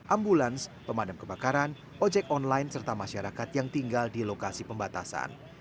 ambulans pemadam kebakaran ojek online serta masyarakat yang tinggal di lokasi pembatasan